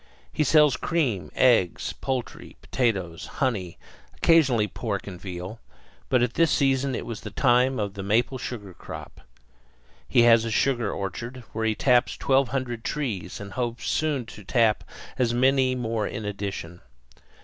He sells cream, eggs, poultry, potatoes, honey, occasionally pork and veal; but at this season it was the time for the maple sugar crop. He has a sugar orchard, where he taps twelve hundred trees and hopes soon to tap as many more in addition.